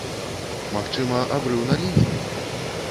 Магчыма, абрыў на лініі?